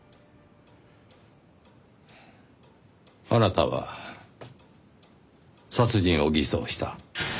あなたは殺人を偽装した。